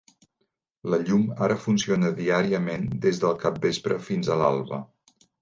La llum ara funciona diàriament des del capvespre fins a l'alba.